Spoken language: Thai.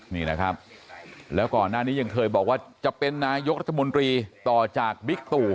นี่นะครับแล้วก่อนหน้านี้ยังเคยบอกว่าจะเป็นนายกรัฐมนตรีต่อจากบิ๊กตู่